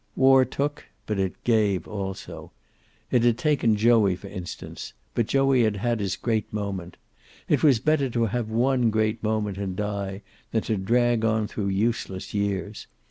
War took, but it gave also. It had taken Joey, for instance, but Joey had had his great moment. It was better to have one great moment and die than to drag on through useless years.